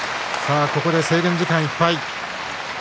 ここで制限時間いっぱい。